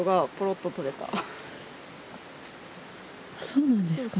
そうなんですか。